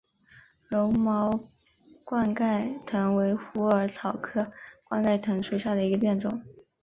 柔毛冠盖藤为虎耳草科冠盖藤属下的一个变种。